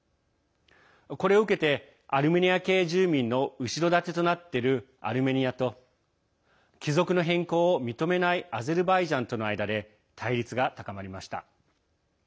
これを受けてアルメニア系住民の後ろ盾となっているアルメニアと帰属の変更を認めないアゼルバイジャンとの間で対立が高まりました。